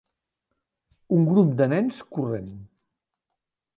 Un grup de nens corrent.